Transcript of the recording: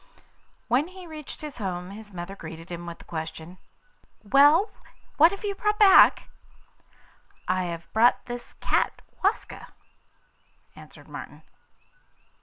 When he reached his home his mother greeted him with the question: 'Well, what have you brought back?' 'I have brought this cat, Waska,' answered Martin.